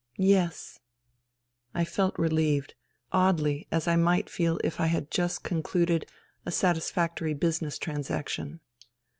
" Yes." I felt relieved — oddly as I might feel if I had just concluded a satisfactory business transaction.